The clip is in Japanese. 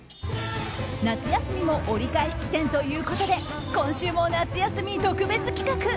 夏休みも折り返し地点ということで今週も夏休み特別企画。